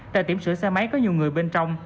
tại tiệm sửa xe máy có nhiều người bên trong